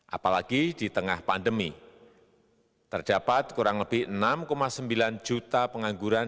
apalagi di tengah pandemi terdapat kurang lebih enam sembilan juta pengangguran